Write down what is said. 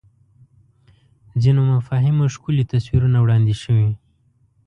ځینو مفاهیمو ښکلي تصویرونه وړاندې شوي